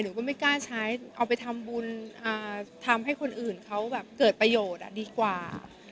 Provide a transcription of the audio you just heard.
ก็ไม่กล้าใช้เอาไปทำบุญทำให้คนอื่นเขาแบบเกิดประโยชน์ดีกว่า